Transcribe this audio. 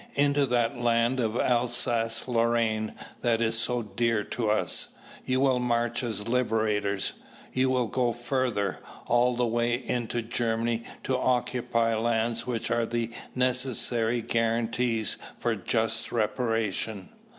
Into that land of Alsace Lorraine that is so dear to us, you will march as liberators. You will go further; all the way into Germany to occupy lands which are the necessary guarantees for just reparation.